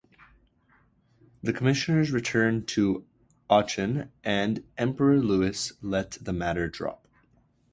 The commissioners returned to Aachen, and Emperor Louis let the matter drop.